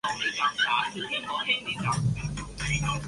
布尔格伦根费尔德是德国巴伐利亚州的一个市镇。